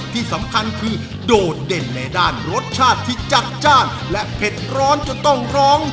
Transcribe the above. ที่สำคัญคือโดดเด่นในด้านรสชาติที่จัดจ้านและเผ็ดร้อนจนต้องร้อง